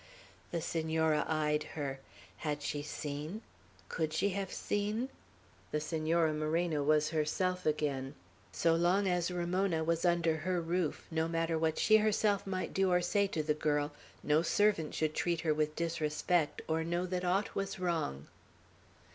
The Senora eyed her. Had she seen? Could she have seen? The Senora Moreno was herself again. So long as Ramona was under her roof, no matter what she herself might do or say to the girl, no servant should treat her with disrespect, or know that aught was wrong.